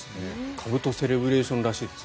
かぶとセレブレーションらしいです。